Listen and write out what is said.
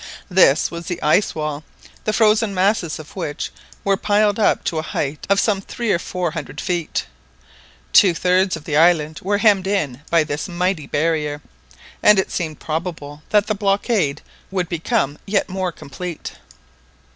This was the ice wall, the frozen masses of which were piled up to a height of some three or four hundred feet. Two thirds of the island were hemmed in by this mighty barrier, and it seemed probable that the blockade would become yet more complete.